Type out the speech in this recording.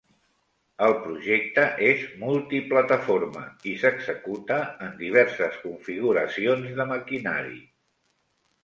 El projecte és multiplataforma i s'executa en diverses configuracions de maquinari.